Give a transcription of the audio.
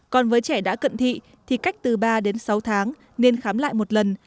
còn với trẻ đã cận thị thì cách từ ba đến sáu tháng nên khám lại một lần